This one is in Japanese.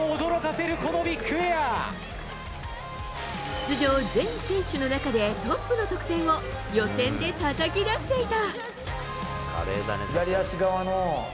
出場全選手の中でトップの得点を予選でたたき出していた。